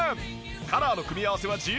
カラーの組み合わせは自由。